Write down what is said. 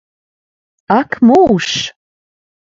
Ak mūžs!